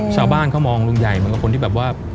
ชาวบ้านเขามองลุงใหญ่เหมือนกับคนที่แบบว่า